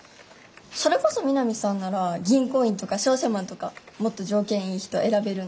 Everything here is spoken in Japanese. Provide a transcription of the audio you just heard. それこそ美波さんなら銀行員とか商社マンとかもっと条件いい人選べるのに。